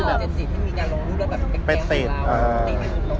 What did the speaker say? คนก็เหมือนว่าเก๊อะ๑๙นั่น